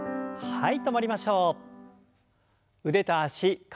はい。